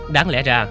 đáng lẽ ra